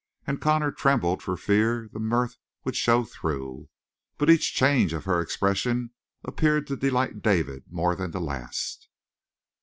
And Connor trembled for fear the mirth would show through. But each change of her expression appeared to delight David more than the last.